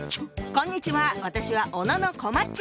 こんにちは私は小野こまっち。